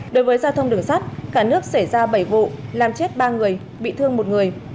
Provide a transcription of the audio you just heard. đối với giao thông đường sắt cả nước xảy ra bảy vụ làm chết ba người bị thương một người